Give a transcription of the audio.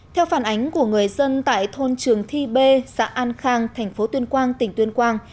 theo phản ánh của người dân tại thôn trường thi bê xã an khang thành phố tuyên quang tỉnh tuyên quang